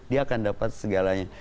dia akan dapat segalanya